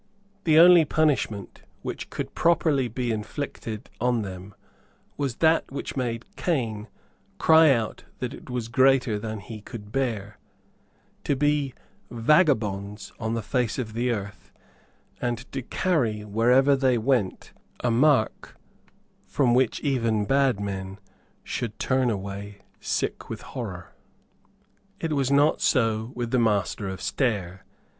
The only punishment which could properly be inflicted on them was that which made Cain cry out that it was greater than he could bear; to be vagabonds on the face of the earth, and to carry wherever they went a mark from which even bad men should turn away sick with horror. It was not so with the Master of Stair.